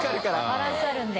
バランスあるんで。